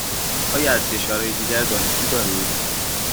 آیا از کشورهای دیگر دانشجو دارید؟